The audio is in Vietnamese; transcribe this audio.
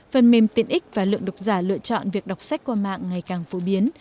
phần mềm tiện ích và lượng độc giả lựa chọn việc đọc sách qua mạng ngày càng phổ biến